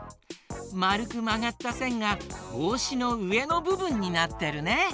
まるくまがったせんがぼうしのうえのぶぶんになってるね。